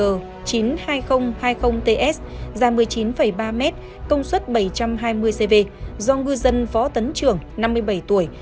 uts da một mươi chín ba m công suất bảy trăm hai mươi cv do ngư dân võ tấn trường năm mươi bảy tuổi